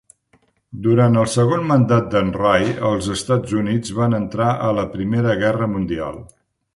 Durant el segon mandat de"n Rye, els Estats Units van entrar a la Primera Guerra Mundial.